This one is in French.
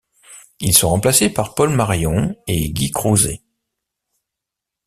Ils sont remplacés par Paul Marion et Guy Crouzet.